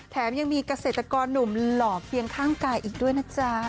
แถมยังมีเกษตรกรหนุ่มหล่อเพียงข้างกายอีกด้วยนะจ๊ะ